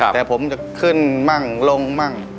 แต่ผมจะขึ้นมั่งลงมั่ง